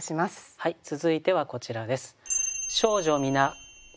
はい続いてはこちらです。